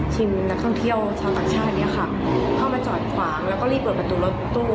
นักท่องเที่ยวชาวต่างชาติเนี่ยค่ะเข้ามาจอดขวางแล้วก็รีบเปิดประตูรถตู้